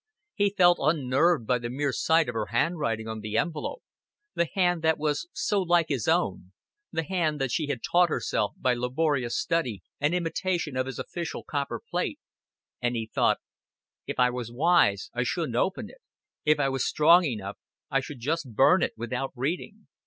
He felt unnerved by the mere sight of her handwriting on the envelope the hand that was so like his own, the hand that she had taught herself by laborious study and imitation of his official copper plate; and he thought, "If I was wise I shouldn't open it. If I was strong enough, I should just burn it, without reading.